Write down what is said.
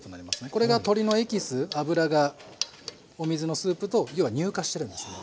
これが鶏のエキス脂がお水のスープと要は乳化してるんですね。